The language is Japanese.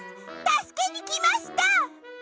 たすけにきました！